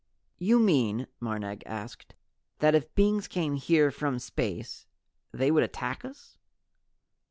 "You mean," Marnag asked, "that if beings came here from space they would attack us?"